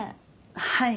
はい。